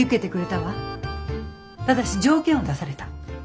ただし条件を出された。